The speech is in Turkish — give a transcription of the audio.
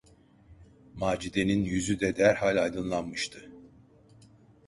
Macide’nin yüzü de derhal aydınlanmıştı.